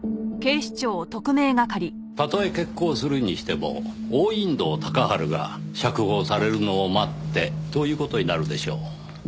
たとえ決行するにしても王隠堂鷹春が釈放されるのを待ってという事になるでしょう。